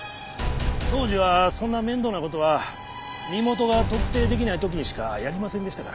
当時はそんな面倒な事は身元が特定できない時にしかやりませんでしたから。